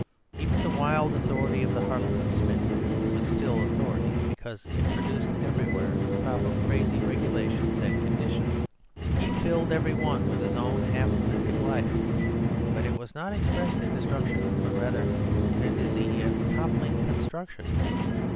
Even the wild authority of the harlequin Smith was still authority, because it produced everywhere a crop of crazy regulations and conditions. He filled every one with his own half lunatic life; but it was not expressed in destruction, but rather in a dizzy and toppling construction.